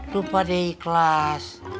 lo pada ikhlas